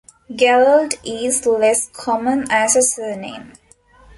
Gerald is less common as a surname.